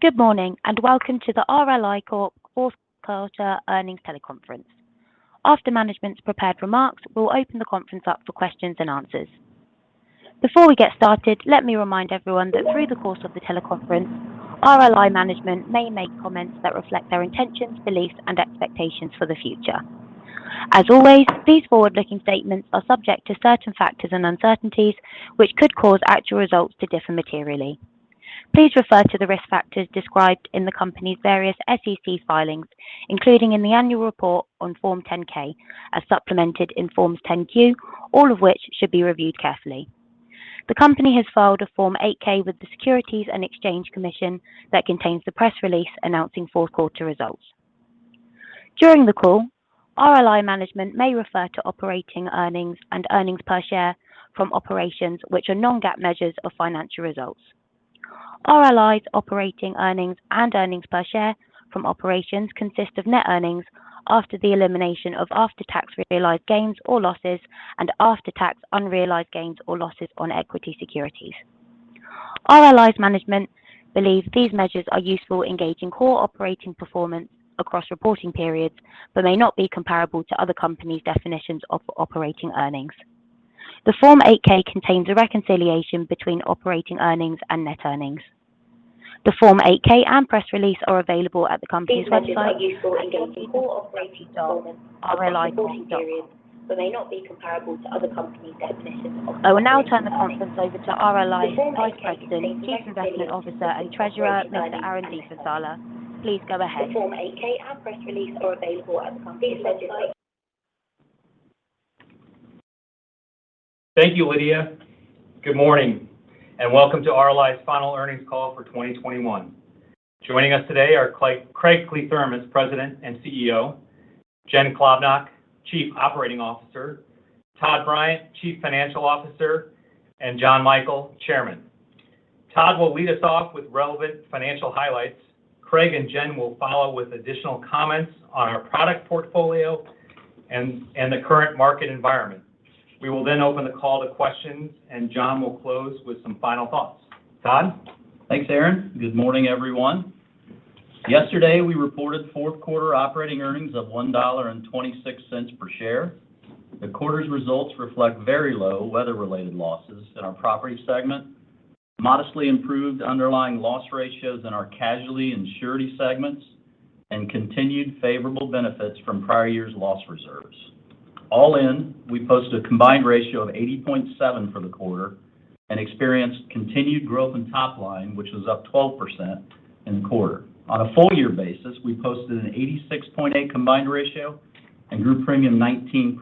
Good morning, and welcome to the RLI Corp. Q4 Earnings Teleconference. After management's prepared remarks, we'll open the conference up for questions and answers. Before we get started, let me remind everyone that through the course of the teleconference, RLI management may make comments that reflect their intentions, beliefs, and expectations for the future. As always, these forward-looking statements are subject to certain factors and uncertainties, which could cause actual results to differ materially. Please refer to the risk factors described in the company's various SEC filings, including in the annual report on Form 10-K, as supplemented in Forms 10-Q, all of which should be reviewed carefully. The company has filed a Form 8-K with the Securities and Exchange Commission that contains the press release announcing Q4 results. During the call, RLI management may refer to operating earnings and earnings per share from operations which are non-GAAP measures of financial results. RLI's operating earnings and earnings per share from operations consist of net earnings after the elimination of after-tax realized gains or losses and after-tax unrealized gains or losses on equity securities. RLI's management believes these measures are useful in gauging core operating performance across reporting periods but may not be comparable to other companies' definitions of operating earnings. The Form 8-K contains a reconciliation between operating earnings and net earnings. The Form 8-K and press release are available at the company's website at rlicorp.com. I will now turn the call over to RLI's Vice President, Chief Investment Officer, and Treasurer, Mr. Aaron Diefenthaler. Please go ahead. Thank you, Lydia. Good morning, and welcome to RLI's final earnings call for 2021. Joining us today are Craig Kliethermes, President and CEO, Jen Klobnak, Chief Operating Officer, Todd Bryant, Chief Financial Officer, and Jon Michael, Chairman. Todd will lead us off with relevant financial highlights. Craig and Jen will follow with additional comments on our product portfolio and the current market environment. We will then open the call to questions, and Jonathan will close with some final thoughts. Todd. Thanks, Aaron. Good morning, everyone. Yesterday, we reported Q4 operating earnings of $1.26 per share. The quarter's results reflect very low weather-related losses in our Property segment, modestly improved underlying loss ratios in our Casualty and Surety segments, and continued favorable benefits from prior years' loss reserves. All in, we posted a combined ratio of 80.7 for the quarter and experienced continued growth in top line, which was up 12% in the quarter. On a full year basis, we posted an 86.8 combined ratio and grew premium 19%.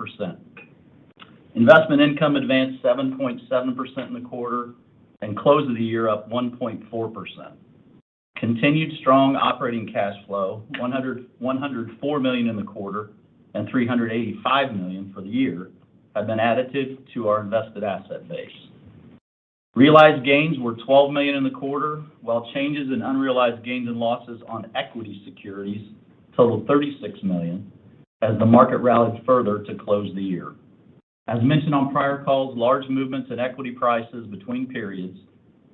Investment income advanced 7.7% in the quarter and closed the year up 1.4%. Continued strong operating cash flow, $104 million in the quarter and $385 million for the year, have been additive to our invested asset base. Realized gains were $12 million in the quarter, while changes in unrealized gains and losses on equity securities totaled $36 million as the market rallied further to close the year. As mentioned on prior calls, large movements in equity prices between periods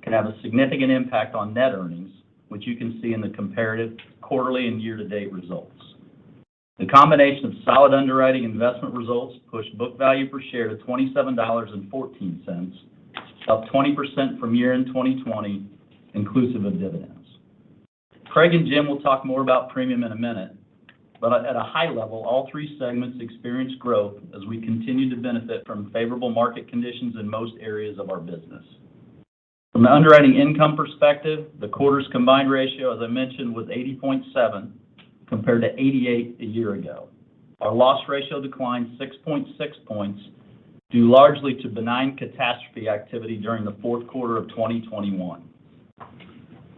can have a significant impact on net earnings, which you can see in the comparative quarterly and year-to-date results. The combination of solid underwriting investment results pushed book value per share to $27.14, up 20% from year-end 2020, inclusive of dividends. Craig and Jen will talk more about premium in a minute, but at a high level, all three segments experienced growth as we continue to benefit from favorable market conditions in most areas of our business. From an underwriting income perspective, the quarter's combined ratio, as I mentioned, was 80.7, compared to 88 a year ago. Our loss ratio declined 6.6 points, due largely to benign catastrophe activity during the Q4 of 2021.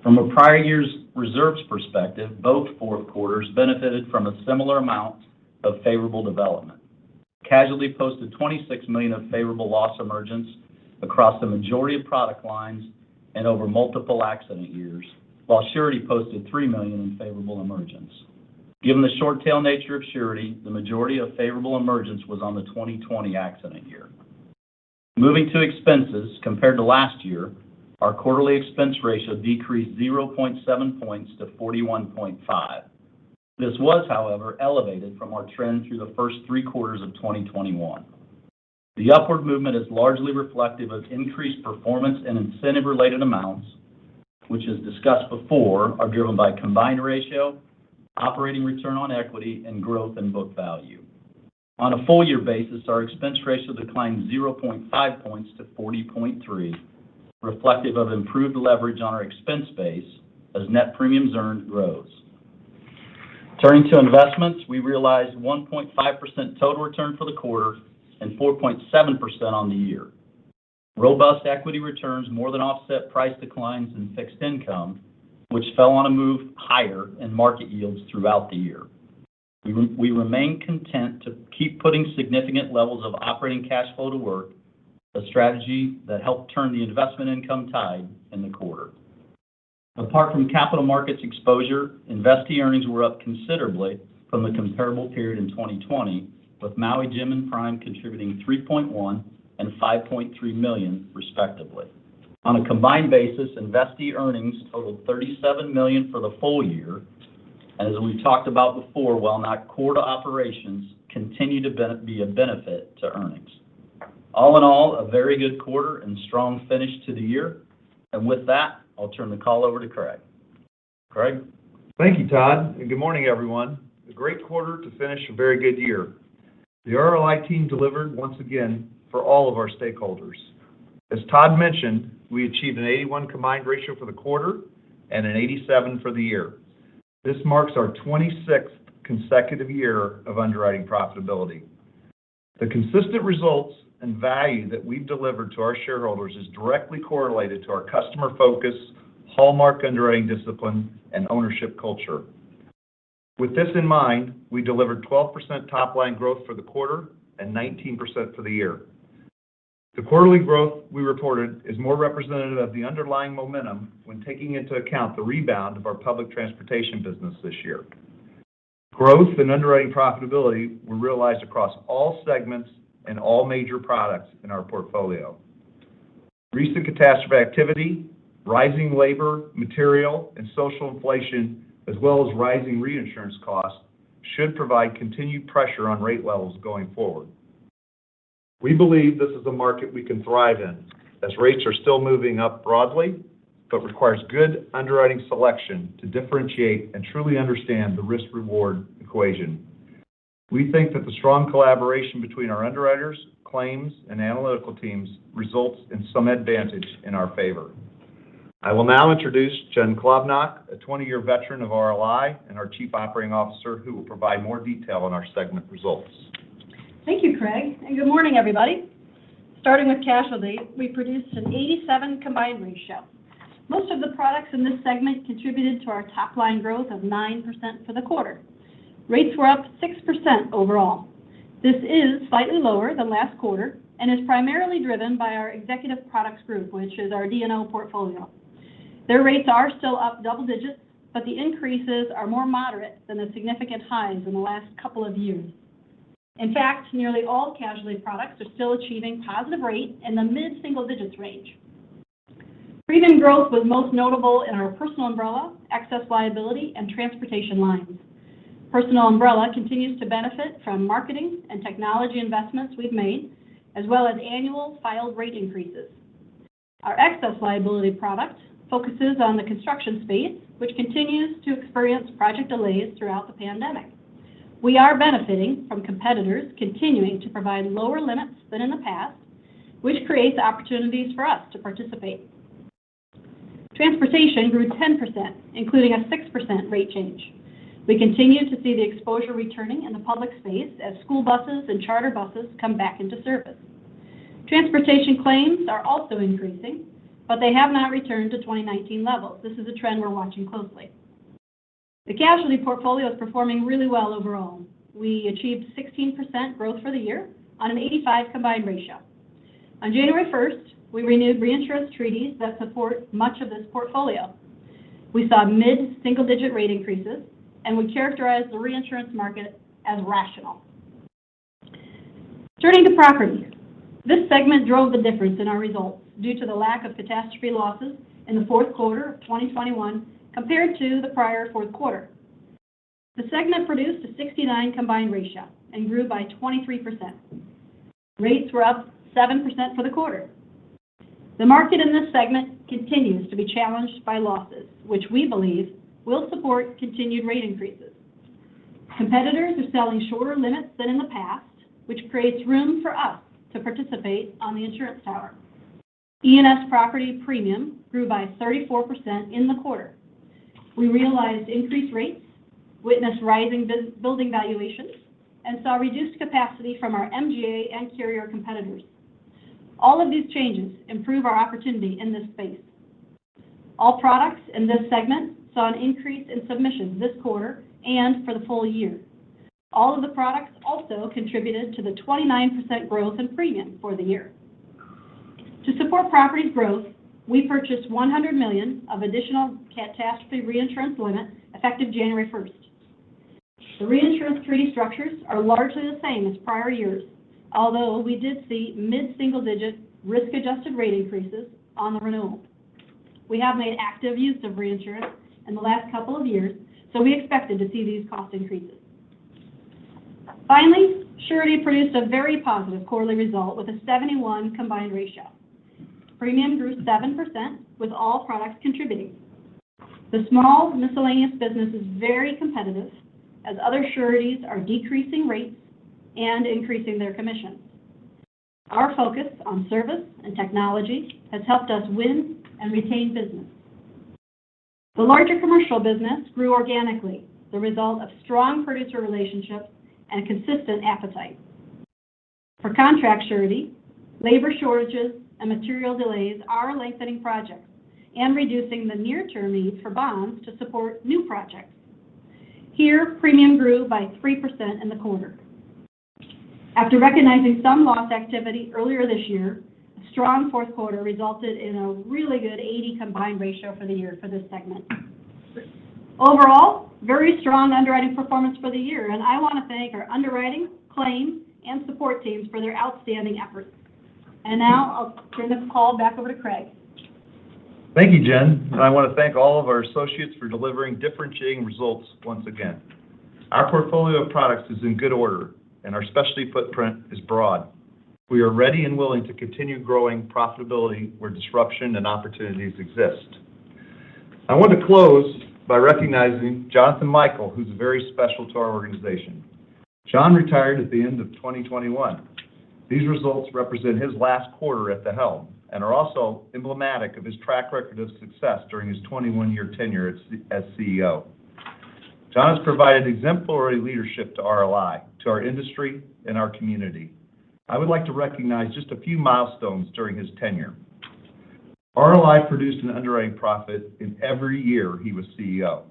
From a prior year's reserves perspective, both fourth quarters benefited from a similar amount of favorable development. Casualty posted $26 million of favorable loss emergence across the majority of product lines and over multiple accident years, while surety posted $3 million in favorable emergence. Given the short tail nature of surety, the majority of favorable emergence was on the 2020 accident year. Moving to expenses, compared to last year, our quarterly expense ratio decreased 0.7 points to 41.5. This was, however, elevated from our trend through the first three quarters of 2021. The upward movement is largely reflective of increased performance and incentive-related amounts, which, as discussed before, are driven by combined ratio, operating return on equity, and growth in book value. On a full year basis, our expense ratio declined 0.5 points to 40.3, reflective of improved leverage on our expense base as net premiums earned grows. Turning to investments, we realized 1.5% total return for the quarter and 4.7% on the year. Robust equity returns more than offset price declines in fixed income, which fell on a move higher in market yields throughout the year. We remain content to keep putting significant levels of operating cash flow to work, a strategy that helped turn the investment income tide in the quarter. Apart from capital markets exposure, investee earnings were up considerably from the comparable period in 2020, with Maui Jim and Prime contributing $3.1 million and $5.3 million respectively. On a combined basis, investee earnings totaled $37 million for the full year. As we've talked about before, while not core to operations, continue to be a benefit to earnings. All in all, a very good quarter and strong finish to the year. With that, I'll turn the call over to Craig. Craig? Thank you, Todd, and good morning, everyone. A great quarter to finish a very good year. The RLI team delivered once again for all of our stakeholders. As Todd mentioned, we achieved an 81 combined ratio for the quarter and an 87 for the year. This marks our 26th consecutive year of underwriting profitability. The consistent results and value that we've delivered to our shareholders is directly correlated to our customer focus, hallmark underwriting discipline, and ownership culture. With this in mind, we delivered 12% top line growth for the quarter and 19% for the year. The quarterly growth we reported is more representative of the underlying momentum when taking into account the rebound of our public transportation business this year. Growth and underwriting profitability were realized across all segments and all major products in our portfolio. Recent catastrophe activity, rising labor, material, and social inflation, as well as rising reinsurance costs, should provide continued pressure on rate levels going forward. We believe this is a market we can thrive in as rates are still moving up broadly, but requires good underwriting selection to differentiate and truly understand the risk-reward equation. We think that the strong collaboration between our underwriters, claims, and analytical teams results in some advantage in our favor. I will now introduce Jen Klobnak, a 20-year veteran of RLI and our Chief Operating Officer, who will provide more detail on our segment results. Thank you, Craig, and good morning, everybody. Starting with casualty, we produced an 87 combined ratio. Most of the products in this segment contributed to our top line growth of 9% for the quarter. Rates were up 6% overall. This is slightly lower than last quarter and is primarily driven by our executive products group, which is our D&O portfolio. Their rates are still up double digits, but the increases are more moderate than the significant highs in the last couple of years. In fact, nearly all casualty products are still achieving positive rate in the mid-single digits range. Premium growth was most notable in our personal umbrella, excess liability, and transportation lines. Personal umbrella continues to benefit from marketing and technology investments we've made, as well as annual filed rate increases. Our excess liability product focuses on the construction space, which continues to experience project delays throughout the pandemic. We are benefiting from competitors continuing to provide lower limits than in the past, which creates opportunities for us to participate. Transportation grew 10%, including a 6% rate change. We continue to see the exposure returning in the public space as school buses and charter buses come back into service. Transportation claims are also increasing, but they have not returned to 2019 levels. This is a trend we're watching closely. The casualty portfolio is performing really well overall. We achieved 16% growth for the year on an 85 combined ratio. On January first, we renewed reinsurance treaties that support much of this portfolio. We saw mid-single digit rate increases, and we characterized the reinsurance market as rational. Turning to Property, this segment drove the difference in our results due to the lack of catastrophe losses in the Q4 of 2021 compared to the prior Q4. The segment produced a 69 combined ratio and grew by 23%. Rates were up 7% for the quarter. The market in this segment continues to be challenged by losses, which we believe will support continued rate increases. Competitors are selling shorter limits than in the past, which creates room for us to participate on the insurance tower. E&S property premium grew by 34% in the quarter. We realized increased rates, witnessed rising building valuations, and saw reduced capacity from our MGA and carrier competitors. All of these changes improve our opportunity in this space. All products in this segment saw an increase in submissions this quarter and for the full year. All of the products also contributed to the 29% growth in premium for the year. To support property growth, we purchased $100 million of additional catastrophe reinsurance limit effective January first. The reinsurance treaty structures are largely the same as prior years, although we did see mid-single-digit risk-adjusted rate increases on the renewal. We have made active use of reinsurance in the last couple of years, so we expected to see these cost increases. Finally, Surety produced a very positive quarterly result with a 71 combined ratio. Premium grew 7% with all products contributing. The small miscellaneous business is very competitive as other sureties are decreasing rates and increasing their commissions. Our focus on service and technology has helped us win and retain business. The larger commercial business grew organically, the result of strong producer relationships and consistent appetite. For contract surety, labor shortages and material delays are lengthening projects and reducing the near-term need for bonds to support new projects. Here, premium grew by 3% in the quarter. After recognizing some loss activity earlier this year, a strong Q4 resulted in a really good 80 combined ratio for the year for this segment. Overall, very strong underwriting performance for the year, and I wanna thank our underwriting, claims, and support teams for their outstanding efforts. Now I'll turn this call back over to Craig. Thank you, Jen. I want to thank all of our associates for delivering differentiating results once again. Our portfolio of products is in good order, and our specialty footprint is broad. We are ready and willing to continue growing profitability where disruption and opportunities exist. I want to close by recognizing Jonathan Michael, who's very special to our organization. Jon retired at the end of 2021. These results represent his last quarter at the helm and are also emblematic of his track record of success during his 21-year tenure as CEO. John has provided exemplary leadership to RLI, to our industry, and our community. I would like to recognize just a few milestones during his tenure. RLI produced an underwriting profit in every year he was CEO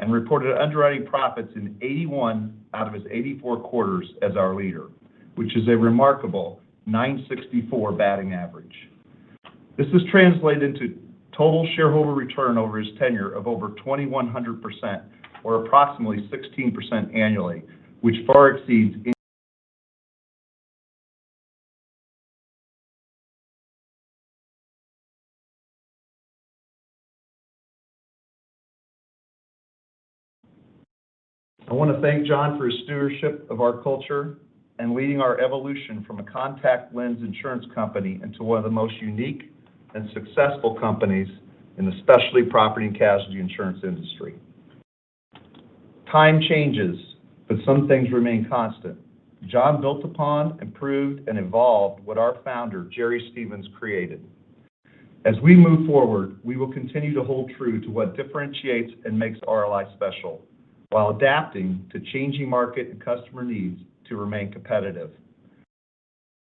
and reported underwriting profits in 81 out of his 84 quarters as our leader, which is a remarkable .964 batting average. This has translated into total shareholder return over his tenure of over 2,100% or approximately 16% annually, which far exceeds any index. I want to thank Jon for his stewardship of our culture and leading our evolution from a contact lens insurance company into one of the most unique and successful companies in the specialty property and casualty insurance industry. Time changes, but some things remain constant. Jon built upon, improved, and evolved what our founder, Jerry Stevens, created. As we move forward, we will continue to hold true to what differentiates and makes RLI special while adapting to changing market and customer needs to remain competitive.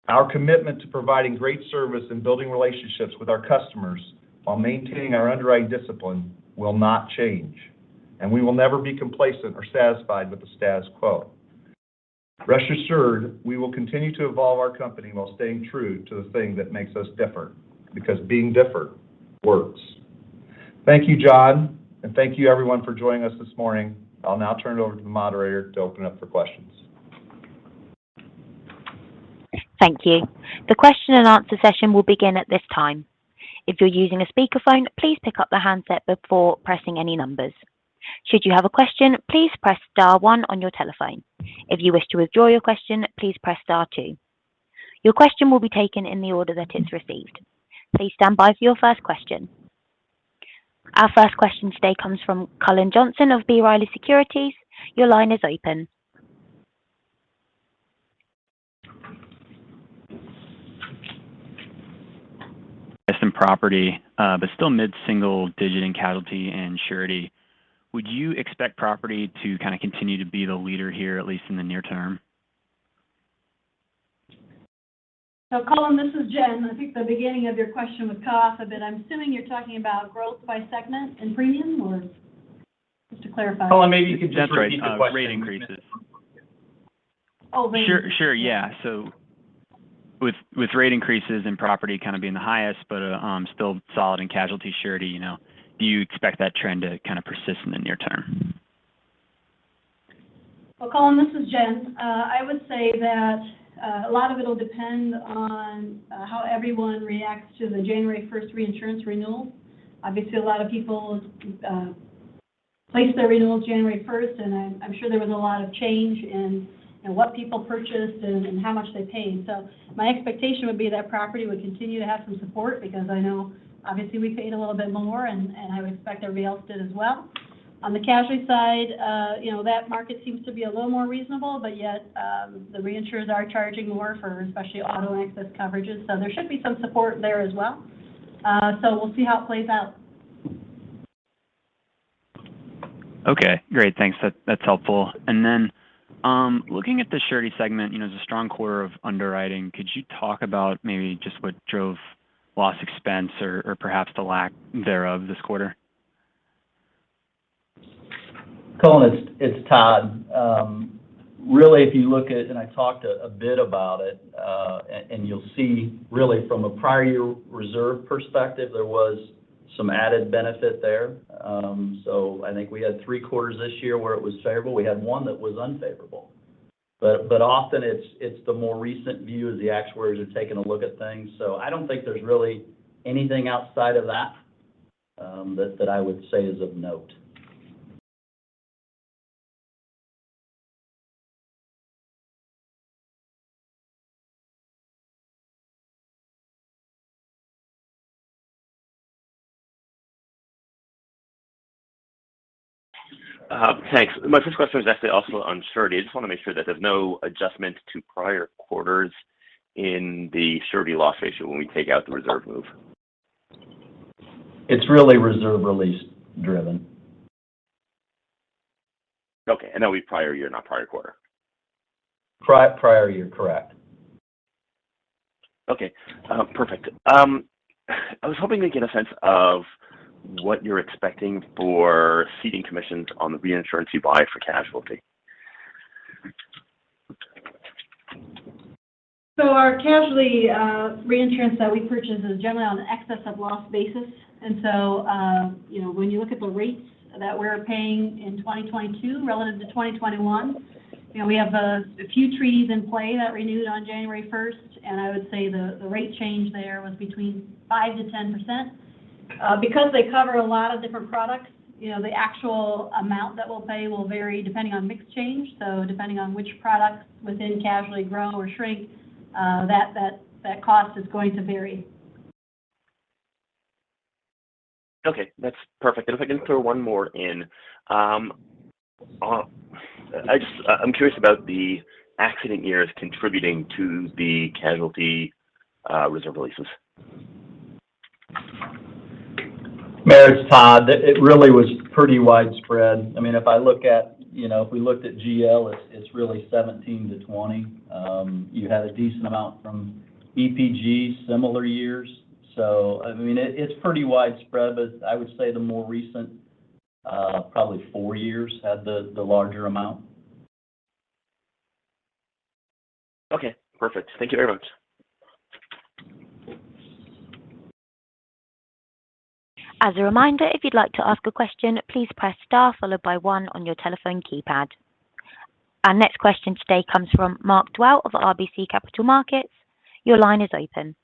Our commitment to providing great service and building relationships with our customers while maintaining our underwriting discipline will not change, and we will never be complacent or satisfied with the status quo. Rest assured, we will continue to evolve our company while staying true to the thing that makes us different, because being different works. Thank you, Jon, and thank you everyone for joining us this morning. I'll now turn it over to the moderator to open up for questions. Thank you. The question and answer session will begin at this time. If you're using a speakerphone, please pick up the handset before pressing any numbers. Should you have a question, please press star one on your telephone. If you wish to withdraw your question, please press star two. Your question will be taken in the order that it's received. Please stand by for your first question. Our first question today comes from Cullen Johnson of B. Riley Securities. Your line is open. Some property, but still mid-single digit in casualty and surety. Would you expect property to kind of continue to be the leader here, at least in the near term? Cullen, this is Jen. I think the beginning of your question was cut off a bit. I'm assuming you're talking about growth by segment and premium, or just to clarify. Cullen, maybe you could just repeat the question. That's right, rate increases. Sure, yeah. With rate increases and property kind of being the highest but still solid in casualty surety, you know, do you expect that trend to kind of persist in the near term? Well, Cullen, this is Jen. I would say that a lot of it'll depend on how everyone reacts to the January 1st reinsurance renewal. Obviously, a lot of people place their renewals January 1st, and I'm sure there was a lot of change in, you know, what people purchased and how much they paid. My expectation would be that property would continue to have some support because I know obviously we paid a little bit more, and I would expect everybody else did as well. On the casualty side, you know, that market seems to be a little more reasonable, but yet, the reinsurers are charging more for especially auto excess coverages. There should be some support there as well. We'll see how it plays out. Okay, great. Thanks. That's helpful. Looking at the surety segment, you know, as a strong quarter of underwriting, could you talk about maybe just what drove loss expense or perhaps the lack thereof this quarter? Cullen, it's Todd. Really, if you look at and I talked a bit about it, and you'll see really from a prior year reserve perspective, there was some added benefit there. I think we had three quarters this year where it was favorable. We had one that was unfavorable. Often it's the more recent view as the actuaries are taking a look at things. I don't think there's really anything outside of that that I would say is of note. Thanks. My first question was actually also on surety. I just wanna make sure that there's no adjustment to prior quarters in the surety loss ratio when we take out the reserve move. It's really reserve release driven. Okay. That would be prior year, not prior quarter. Prior year, correct. Okay. Perfect. I was hoping to get a sense of what you're expecting for ceding commissions on the reinsurance you buy for casualty. Our casualty reinsurance that we purchase is generally on excess of loss basis. You know, when you look at the rates that we're paying in 2022 relative to 2021. You know, we have a few treaties in play that renewed on January first, and I would say the rate change there was between 5%-10%. Because they cover a lot of different products, you know, the actual amount that we'll pay will vary depending on mix change. Depending on which products within casualty grow or shrink, that cost is going to vary. Okay, that's perfect. If I can throw one more in. I'm curious about the accident years contributing to the casualty reserve releases. Meredith, Todd, it really was pretty widespread. I mean, if I look at, you know, if we looked at GL, it's really 2017-2020. You had a decent amount from EPG, similar years. I mean, it's pretty widespread, but I would say the more recent, probably four years had the larger amount. Okay, perfect. Thank you very much. As a reminder, if you'd like to ask a question, please press star followed by one on your telephone keypad. Our next question today comes from Mark Dwelle of RBC Capital Markets. Your line is open.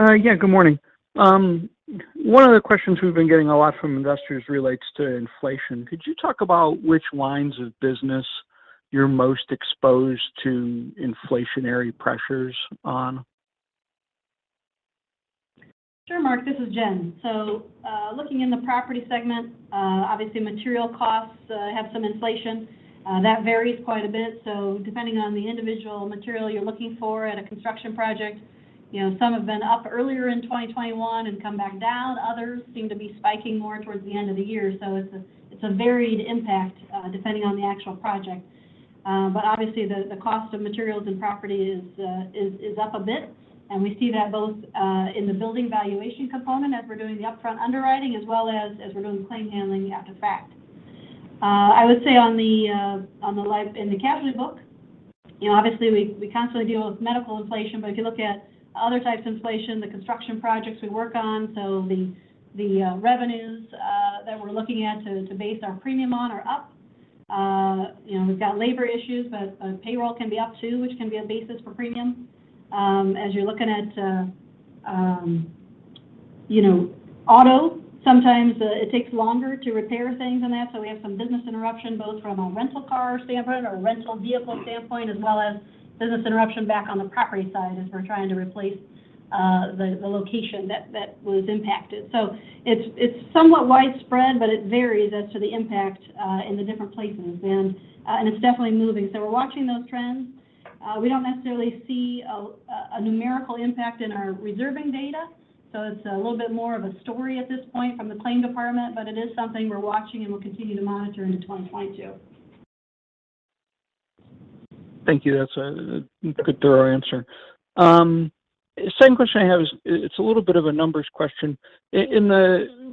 Yeah, good morning. One of the questions we've been getting a lot from investors relates to inflation. Could you talk about which lines of business you're most exposed to inflationary pressures on? Sure Mark, this is Jen. Looking in the property segment, obviously material costs have some inflation. That varies quite a bit, so depending on the individual material you're looking for at a construction project, you know, some have been up earlier in 2021 and come back down. Others seem to be spiking more towards the end of the year. It's a varied impact, depending on the actual project. Obviously the cost of materials and property is up a bit and we see that both in the building valuation component as we're doing the upfront underwriting as well as we're doing claim handling after the fact. I would say in the Casualty book, you know, obviously we constantly deal with medical inflation, but if you look at other types of inflation, the construction projects we work on, so the revenues that we're looking at to base our premium on are up. You know, we've got labor issues, but payroll can be up too, which can be a basis for premium. As you're looking at, you know, auto, sometimes it takes longer to repair things and that, so we have some business interruption both from a rental car standpoint or rental vehicle standpoint, as well as business interruption back on the property side as we're trying to replace the location that was impacted. It's somewhat widespread, but it varies as to the impact in the different places and it's definitely moving. We're watching those trends. We don't necessarily see a numerical impact in our reserving data, so it's a little bit more of a story at this point from the claim department, but it is something we're watching and we'll continue to monitor into 2022. Thank you. That's a good thorough answer. Second question I have is, it's a little bit of a numbers question.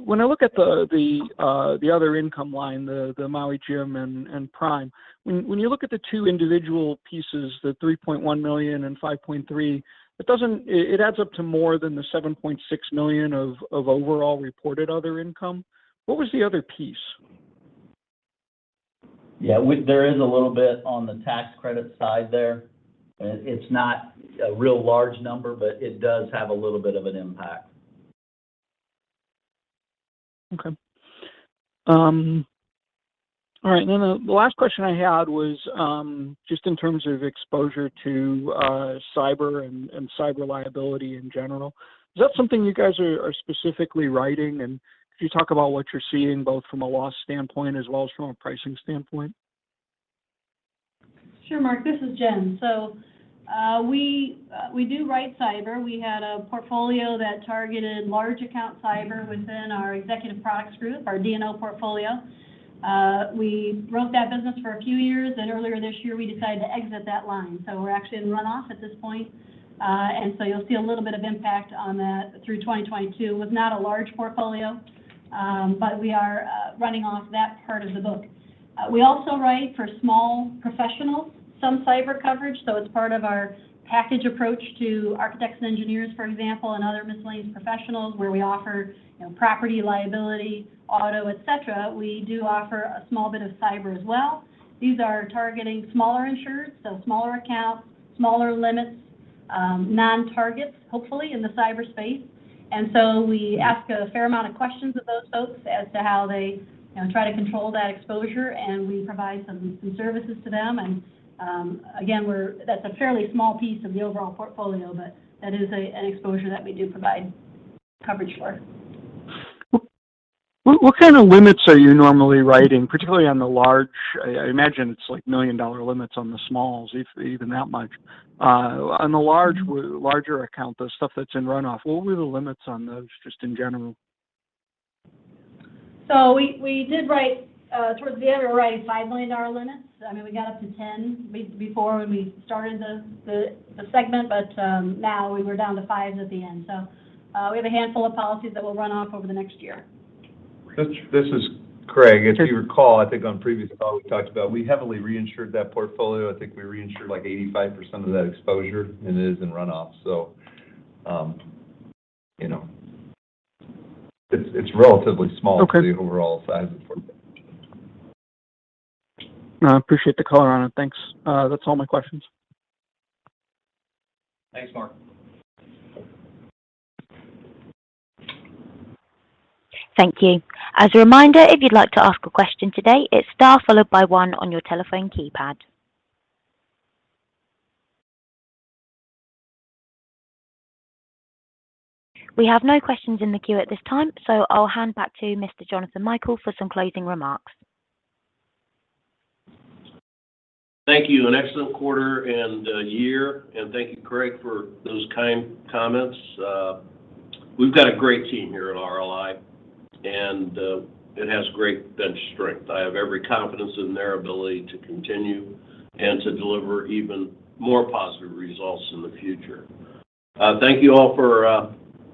When I look at the other income line, the Maui Jim and Prime, when you look at the two individual pieces, the $3.1 million and $5.3 million, it doesn't. It adds up to more than the $7.6 million of overall reported other income. What was the other piece? Yeah. There is a little bit on the tax credit side there. It's not a real large number, but it does have a little bit of an impact. Okay. All right. The last question I had was just in terms of exposure to cyber and cyber liability in general. Is that something you guys are specifically writing? And could you talk about what you're seeing both from a loss standpoint as well as from a pricing standpoint? Sure Mark, this is Jen. We do write cyber. We had a portfolio that targeted large account cyber within our Executive Products Group, our D&O portfolio. We wrote that business for a few years, and earlier this year we decided to exit that line, so we're actually in runoff at this point. You'll see a little bit of impact on that through 2022. It was not a large portfolio, but we are running off that part of the book. We also write for small professionals some cyber coverage, so it's part of our package approach to architects and engineers, for example, and other miscellaneous professionals where we offer, you know, property liability, auto, et cetera. We do offer a small bit of cyber as well. These are targeting smaller insurers, so smaller accounts, smaller limits, nontargets hopefully in the cyberspace. We ask a fair amount of questions of those folks as to how they, you know, try to control that exposure and we provide some services to them. Again, that's a fairly small piece of the overall portfolio, but that is an exposure that we do provide coverage for. What kind of limits are you normally writing? I imagine it's like $1 million limits on the smalls, if even that much. On the larger account, the stuff that's in runoff, what were the limits on those just in general? We did write towards the end we were writing $5 million limits. I mean, we got up to $10 million before when we started the segment, but now we were down to fives at the end. We have a handful of policies that will run off over the next year. This is Craig. If you recall, I think on previous calls we talked about, we heavily reinsured that portfolio. I think we reinsured like 85% of that exposure, and it is in runoff. You know, it's relatively small. Okay to the overall size of the portfolio. No, I appreciate the color on it. Thanks. That's all my questions. Thanks Mark. Thank you. As a reminder, if you'd like to ask a question today, it's star followed by one on your telephone keypad. We have no questions in the queue at this time, so I'll hand back to Mr. Jonathan Michael for some closing remarks. Thank you. An excellent quarter and year, and thank you Craig for those kind comments. We've got a great team here at RLI, and it has great bench strength. I have every confidence in their ability to continue and to deliver even more positive results in the future. Thank you all for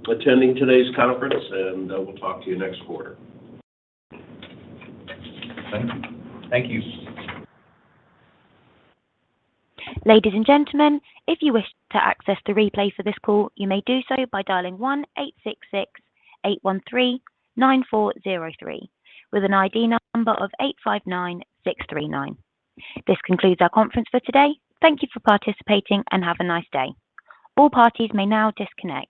attending today's conference, and we'll talk to you next quarter. Thank you. Thank you. Ladies and gentlemen, if you wish to access the replay for this call, you may do so by dialing 1-866-813-9403 with an ID number of 859639. This concludes our conference for today. Thank you for participating and have a nice day. All parties may now disconnect.